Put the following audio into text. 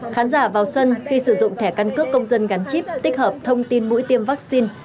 khán giả vào sân khi sử dụng thẻ căn cước công dân gắn chip tích hợp thông tin mũi tiêm vaccine